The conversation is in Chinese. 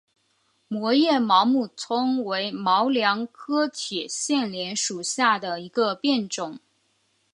膜叶毛木通为毛茛科铁线莲属下的一个变种。